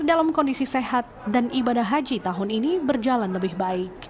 dalam kondisi sehat dan ibadah haji tahun ini berjalan lebih baik